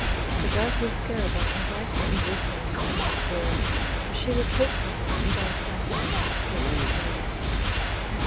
The dark blue scarab on her right hand Ruthven might have observed; but she was hopeful that the star sapphire had escaped his notice.